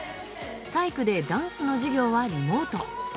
体育でダンスの授業はリモート。